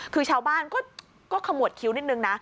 คือชาวบ้านก็ขมวดคิ้วนิดนึงนะ